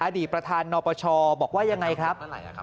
อดีตประธานนปชบอกว่ายังไงครับ